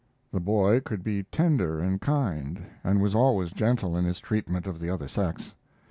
The boy could be tender and kind, and was always gentle in his treatment of the other sex.